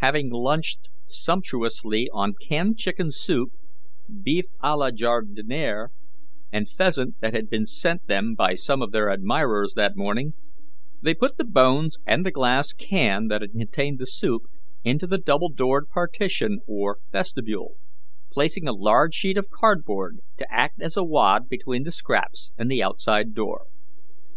Having lunched sumptuously on canned chicken soup, beef a la jardiniere, and pheasant that had been sent them by some of their admirers that morning, they put the bones and the glass can that had contained the soup into the double doored partition or vestibule, placing a large sheet of cardboard to act as a wad between the scraps and the outside door.